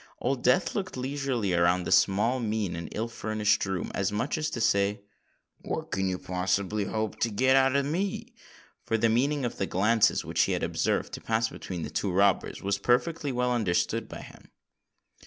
Old Death looked leisurely round the small, mean, and ill furnished room, as much as to say, "What can you hope to get out of me?"—for the meaning of the glances which he had observed to pass between the two robbers, was perfectly well understood by him.